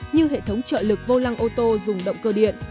như hệ thống trợ lực vô lăng ô tô dùng động cơ điện